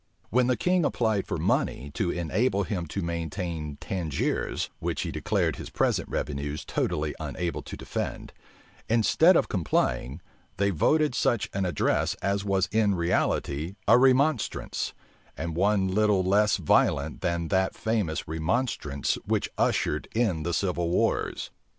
When the king applied for money to enable him to maintain Tangiers, which he declared his present revenues totally unable to defend, instead of complying, they voted such an address as was in reality a remonstrance, and one little less violent than that famous remonstrance which ushered in the civil wars.